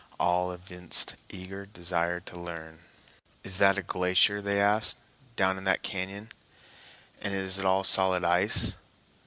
All evinced eager desire to learn. "Is that a glacier," they asked, "down in that cañon? And is it all solid ice?"